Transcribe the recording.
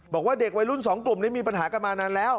บอกว่าเด็กวัยรุ่นสองกลุ่มนี้มีปัญหากันมานานแล้ว